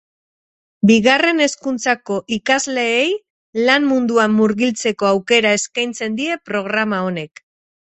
Bigarren hezkuntzako ikasleei lan munduan murgiltzeko aukera eskaintzen die programa honek.